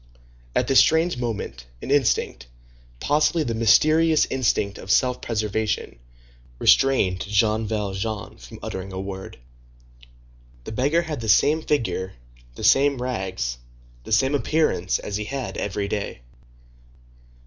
At this strange moment, an instinct—possibly the mysterious instinct of self preservation,—restrained Jean Valjean from uttering a word. The beggar had the same figure, the same rags, the same appearance as he had every day.